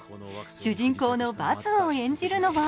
主人公のバズを演じるのは